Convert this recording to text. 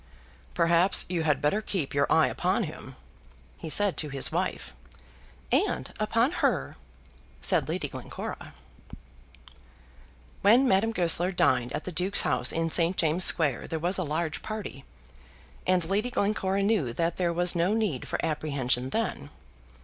"Perhaps you had better keep your eye upon him," he said to his wife. "And upon her," said Lady Glencora. When Madame Goesler dined at the Duke's house in St. James's Square there was a large party, and Lady Glencora knew that there was no need for apprehension then.